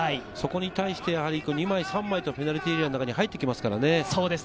そこに対して２枚３枚とペナルティーエリアの中に入ってきますからね。